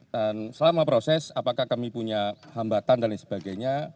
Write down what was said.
dan selama proses apakah kami punya hambatan dan lain sebagainya